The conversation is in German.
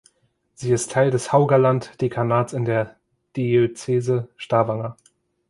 Sie ist Teil des Haugaland-Dekanats in der Diözese Stavanger.